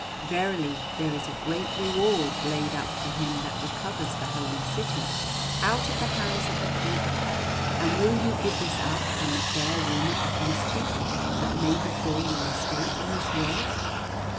Verily there is a great reward laid up for him that recovers the Holy City out of the hands of the heathen, and will you give this up on the bare rumour of mischief that may befall your estate in this world?"